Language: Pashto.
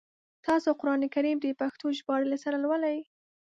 تاسو قرآن کریم د پښتو ژباړي سره لولی ؟